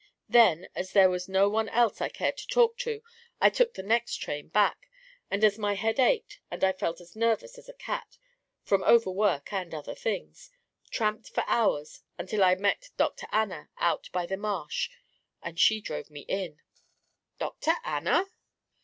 Then as there was no one else I cared to talk to I took the next train back, and as my head ached and I felt as nervous as a cat from overwork and other things tramped for hours until I met Dr. Anna out by the marsh and she drove me in " "Dr. Anna?"